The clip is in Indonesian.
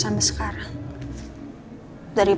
walaupun gaji yang gue dapatin sedikit